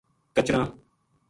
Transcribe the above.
کچراں